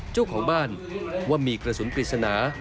เจ้าของบ้านว่ามีกระสุนปริศนา